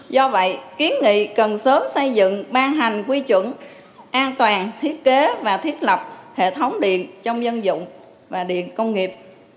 do vậy kiến nghị cần sớm xây dựng ban hành quy chuẩn an toàn thiết kế và thiết lập hệ thống điện trong dân dụng và điện công nghiệp